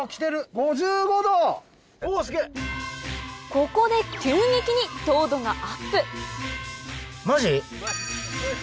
ここで急激に糖度がアップ！